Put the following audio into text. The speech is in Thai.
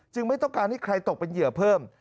ไม่ต้องการให้ใครตกเป็นเหยื่อเพิ่ม